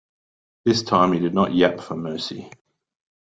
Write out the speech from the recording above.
This time he did not yap for mercy.